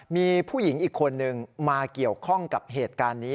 มีผู้หญิงอีกคนนึงมาเกี่ยวข้องกับเหตุการณ์นี้